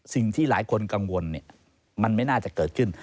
สิ่งที่หลายคนกังวลมันไม่น่าจะเกิดขึ้น